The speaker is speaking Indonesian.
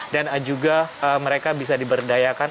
dan juga mereka bisa diberdayakan